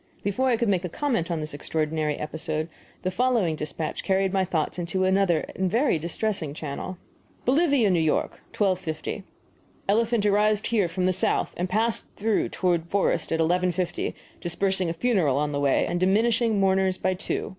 Before I could make a comment upon this extraordinary episode, the following despatch carried my thoughts into another and very distressing channel: BOLIVIA, N. Y., 12.50. Elephant arrived here from the south and passed through toward the forest at 11.50, dispersing a funeral on the way, and diminishing the mourners by two.